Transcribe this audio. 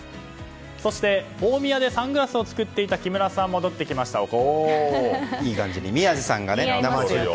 そして、大宮でサングラスを作っていた木村さんいい感じに。